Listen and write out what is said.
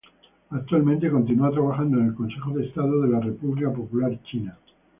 Actualmente continúa trabajando en el Consejo de Estado de la República Popular China.